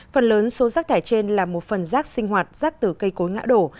phần lớn số rác thải trên là một phần rác sinh hoạt rác từ cây cối ngã đổ